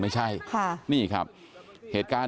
เดี๋ยวให้กลางกินขนม